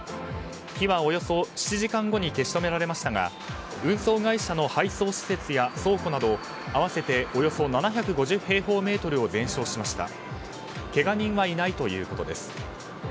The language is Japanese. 火はおよそ７時間後に消し止められましたが運送会社の配送施設や倉庫など合わせておよそ７５０平方メートルを全焼しました。